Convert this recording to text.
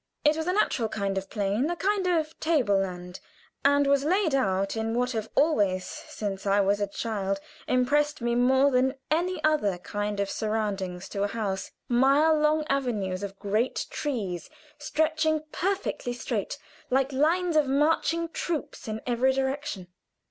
It was a natural plain a kind of table land, and was laid out in what have always, since I was a child, impressed me more than any other kind of surroundings to a house mile long avenues of great trees, stretching perfectly straight, like lines of marching troops in every direction.